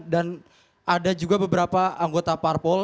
dan ada juga beberapa anggota parpol